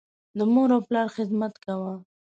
د مور او پلار خدمت کوه.